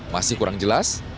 masih kurang jelas